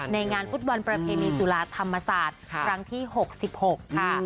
ในงานฟุตบอลประเพณีจุฬาธรรมศาสตร์ครั้งที่๖๖ค่ะ